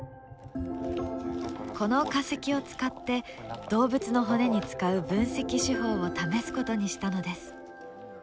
この化石を使って動物の骨に使う分析手法を試すことにしたのです。